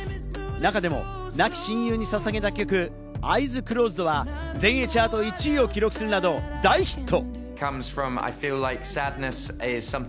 中でも亡き親友にささげた曲、『ＥｙｅｓＣｌｏｓｅｄ』は全英チャート１位を記録するなど大ヒット。